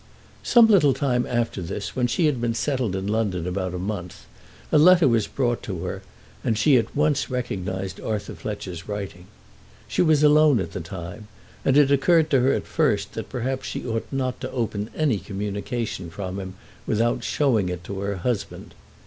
Some little time after this, when she had been settled in London about a month, a letter was brought her, and she at once recognised Arthur Fletcher's writing. She was alone at the time, and it occurred to her at first that perhaps she ought not to open any communication from him without showing it to her husband.